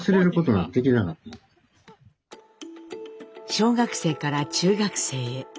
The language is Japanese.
小学生から中学生へ。